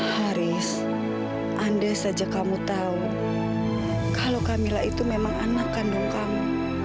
haris andai saja kamu tahu kalau kamila itu memang anak kandung kamu